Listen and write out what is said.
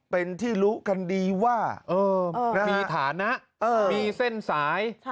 เป็นที่รู้กันดีว่ามีฐานะมีเส้นสาย